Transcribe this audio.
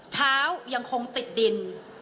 เท้ายังคงติดดิน